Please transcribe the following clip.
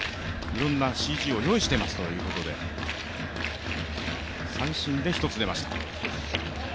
いろんなＣＧを用意していますということで、三振で一つ出ました。